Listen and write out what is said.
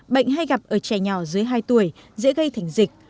bệnh hay gặp ở trẻ nhỏ dưới hai tuổi dễ gây thành dịch